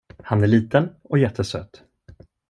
Han är liten och jättesöt.